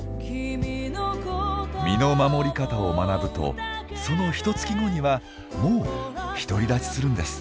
身の守り方を学ぶとそのひとつき後にはもう独り立ちするんです。